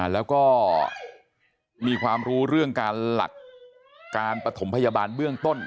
แล้วก็มีความรู้เรื่องการหลักการปฐมพยาบาลเบื้องต้น